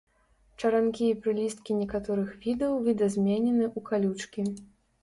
Чаранкі і прылісткі некаторых відаў відазменены ў калючкі.